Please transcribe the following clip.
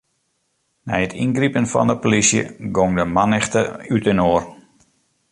Nei it yngripen fan 'e plysje gong de mannichte útinoar.